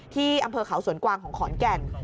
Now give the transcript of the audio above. ที่อำเภอเขาสวนกวางของขอนแก่น